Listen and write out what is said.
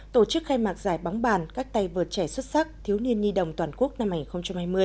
tổ chức khai mạc giải bóng bàn các tay vượt trẻ xuất sắc thiếu niên nhi đồng toàn quốc năm hai nghìn hai mươi